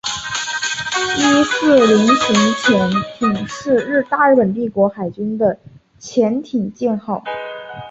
伊四零型潜艇是大日本帝国海军的潜舰型号。